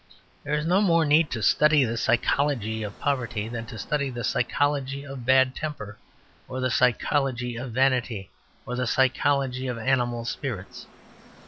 There is no more need to study the psychology of poverty than to study the psychology of bad temper, or the psychology of vanity, or the psychology of animal spirits.